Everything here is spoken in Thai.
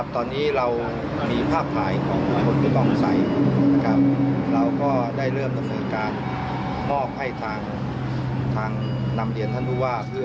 ตอนนี้เรามีภาพถ่ายของผู้นำภาคใสเราก็ได้เริ่มการมอบให้ทางนำเรียนธนวาค